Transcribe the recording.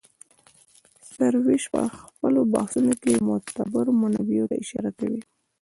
سروش په خپلو بحثونو کې معتبرو منابعو ته اشاره کوي.